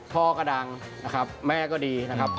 พ่อก็ดังนะครับแม่ก็ดีนะครับ